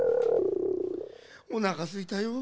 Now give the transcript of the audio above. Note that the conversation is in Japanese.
おなかすいたよう。